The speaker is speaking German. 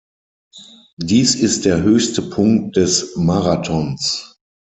Dies ist der höchste Punkt des Marathons.